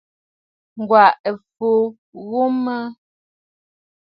Ŋ̀gwàʼà ɨ fu ghu maʼà.